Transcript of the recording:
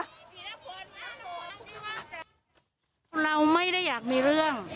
เราไม่ได้อยากมีเรื่อง